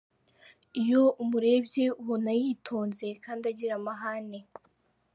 Iyo umurebye ubona yitonze kandi agira amahane.